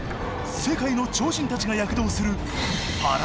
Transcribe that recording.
世界の超人たちが躍動する